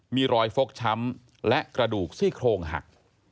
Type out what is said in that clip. มีรอยฟกช้ำและกระดูกซี่โครงหัก